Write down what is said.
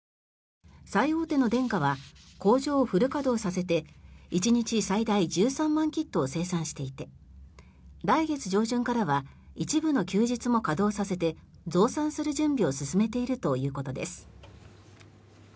最大手のデンカは工場をフル稼働させて１日最大１３万キットを生産していて来月上旬からは一部の休日も稼働させて増産する準備を進めているということです。